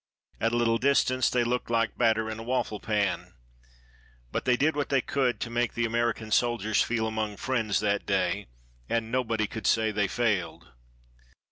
At a little distance, they looked like batter in a waffle pan. But they did what they could to make the American soldiers feel among friends that day, and nobody could say they failed.